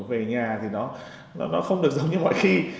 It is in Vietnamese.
về nhà thì nó không được giống như mọi khi